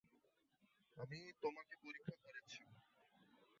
আমি তোমাকে পরীক্ষা করেছি।